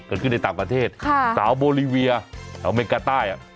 เกิดขึ้นในต่างประเทศสาวโบรีเวียสาวอเมริกาใต้